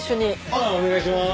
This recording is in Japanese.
あっお願いします。